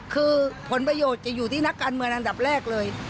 คือผลประโยชน์จะอยู่ที่นักการเมืองอันดับแรกเลย